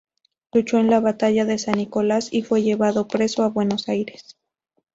Luchó en la batalla de San Nicolás y fue llevado preso a Buenos Aires.